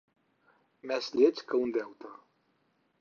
Més lleig que un deute.